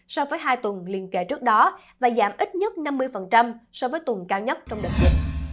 so với hai tuần liên kệ trước đó và giảm ít nhất năm mươi so với tuần cao nhất trong đợt dịch